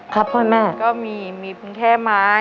ครับพ่อแม่